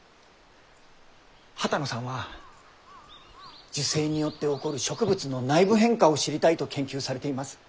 波多野さんは受精によって起こる植物の内部変化を知りたいと研究されています。